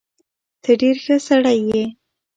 ته ډېر ښه سړی یې.